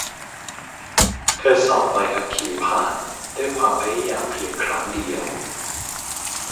เธอสอบใบขับขี่ผ่านด้วยความพยายามเพียงครั้งเดียว